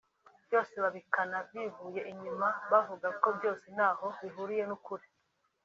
bose babikana bivuye inyuma bavuga ko byose ntaho bihuriye n’ukuri